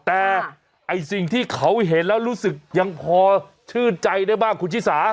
แต่ไอ้สิ่งที่เขาเห็นแล้วรู้สึกยังพอชื่นใจได้บ้างคุณชิสา